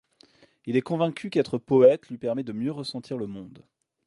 Il est convaincu qu’être poète lui permet de mieux ressentir le monde.